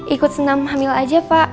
ikut senam hamil aja pak